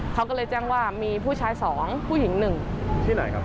เขาก็เลยแจ้งว่ามีผู้ชาย๒ผู้หญิง๑ที่ไหนครับ